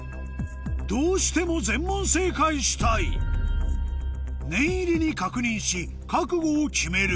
どうしても全問正解したい念入りに確認し覚悟を決める